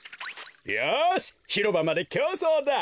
よしひろばまできょうそうだ！